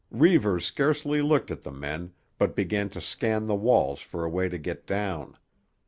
Reivers scarcely looked at the men, but began to scan the walls for a way to get down.